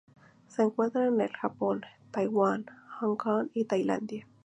Se encuentra en el Japón, Taiwán, Hong Kong y Tailandia.